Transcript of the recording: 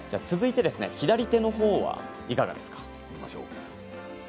左手のほうはいかがですか？